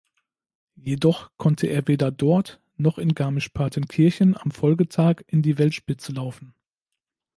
Jedoch konnte er weder dort, noch in Garmisch-Partenkirchen am Folgetag in die Weltspitze laufen.